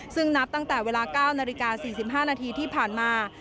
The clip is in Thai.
ซึ่งนับตั้งแต่เวลา๙นาฬิกา๔๕นาทีที่ผ่านมา